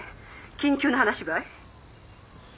緊急の話ばい。